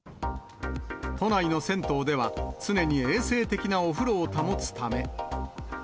都内の銭湯では、常に衛生的なお風呂を保つため。